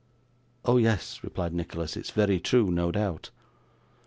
'Oh yes,' replied Nicholas: 'it's very true, no doubt.